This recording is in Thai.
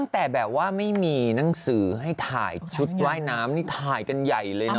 ตั้งแต่แบบว่าไม่มีหนังสือให้ถ่ายชุดว่ายน้ำนี่ถ่ายกันใหญ่เลยนะ